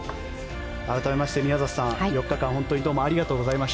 改めまして宮里さん４日間ありがとうございました。